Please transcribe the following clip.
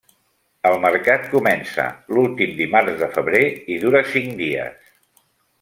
El mercat comença l'últim dimarts de febrer i dura cinc dies.